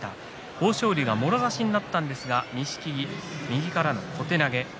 豊昇龍がもろ差しになったんですが錦木、右からの小手投げ。